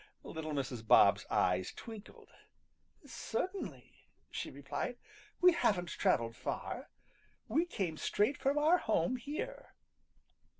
Little Mrs. Bob's eyes twinkled. "Certainly," she replied. "We haven't traveled far. We came straight from our home here."